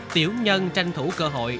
tiểu nhân tranh thủ cơ hội